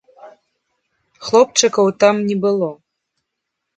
Хлопчыкаў там не было.